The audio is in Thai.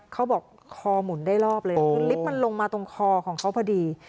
คอหมุนได้รอบเลยคือลิฟต์มันลงมาตรงคอของเขาพอดี